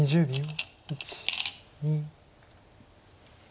２０秒。